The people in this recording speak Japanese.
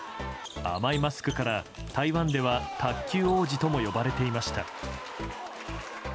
甘いマスクから、台湾では卓球王子とも呼ばれていました。